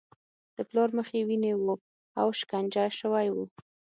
د پلار مخ یې وینې و او شکنجه شوی و